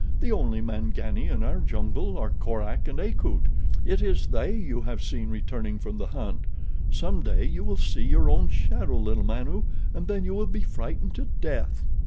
"The only Mangani in our jungle are Korak and Akut. It is they you have seen returning from the hunt. Some day you will see your own shadow, little Manu, and then you will be frightened to death."